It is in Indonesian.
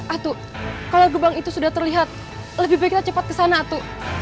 atu kalau gebang itu sudah terlihat lebih baik kita cepat ke sana atu